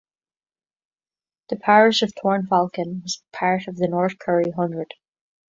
The parish of Thorne Falcon was part of the North Curry Hundred.